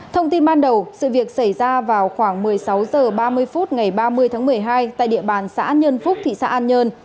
thông tin ban đầu sự việc xảy ra vào khoảng một mươi sáu h ba mươi phút ngày ba mươi tháng một mươi hai tại địa bàn xã nhân phúc thị xã an nhơn